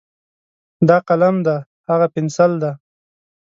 دا قلم ده، هاغه پینسل ده.